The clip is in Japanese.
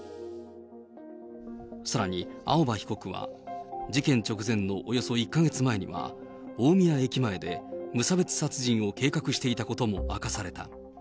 さらに青葉被告は、事件直前のおよそ１か月前には、大宮駅前で無差別殺人を計画していたことも明かされた。